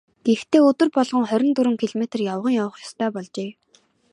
Гэхдээ өдөр болгон хорин дөрвөн километр явган явах ёстой болжээ.